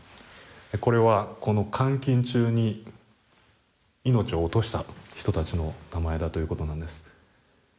これはこの監禁中に命を落とした人たちの名前だということなんです。